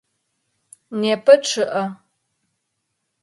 Непэ чъыӏэ.